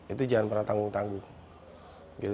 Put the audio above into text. itu jangan pernah tanggung tanggung